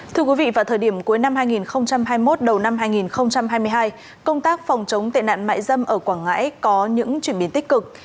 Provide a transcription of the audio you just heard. thưa quý vị vào thời điểm cuối năm hai nghìn hai mươi một đầu năm hai nghìn hai mươi hai công tác phòng chống tệ nạn mại dâm ở quảng ngãi có những chuyển biến tích cực